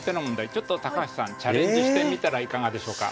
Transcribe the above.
ちょっと高橋さんチャレンジしてみたらいかがでしょうか？